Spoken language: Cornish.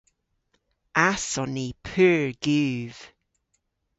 Ass on ni pur guv.